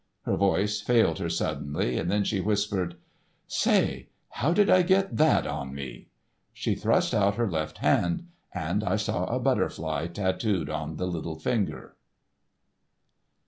Her voice failed her suddenly, then she whispered: "Say, how did I get that on me?" She thrust out her left hand, and I saw a butterfly tattooed on the little finger.